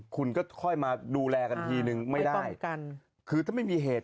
คุณก็ค่อยมาดูแลกันทีนึงไม่ได้คือถ้าไม่มีเหตุ